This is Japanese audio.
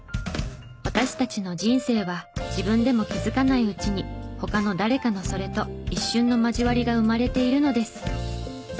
私たちの人生は自分でも気づかないうちに他の誰かのそれと一瞬の交わりが生まれているのです。